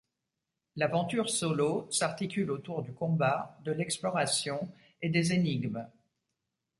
L'aventure solo s'articule autour du combat, de l'exploration et des énigmes.